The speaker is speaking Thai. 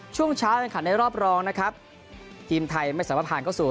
ช่วงเช้าแรงขันในรอบรองนะครับทีมไทยไม่สามารถผ่านเข้าสู่